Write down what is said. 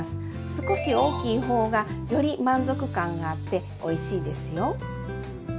少し大きい方がより満足感があっておいしいですよ。